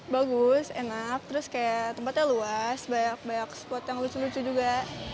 bagus enak terus kayak tempatnya luas banyak banyak spot yang lucu lucu juga